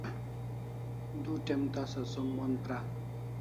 Du t'em tasa som mon pra